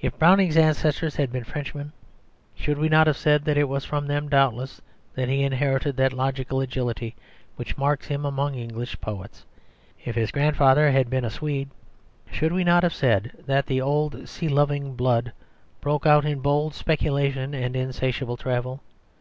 If Browning's ancestors had been Frenchmen, should we not have said that it was from them doubtless that he inherited that logical agility which marks him among English poets? If his grandfather had been a Swede, should we not have said that the old sea roving blood broke out in bold speculation and insatiable travel?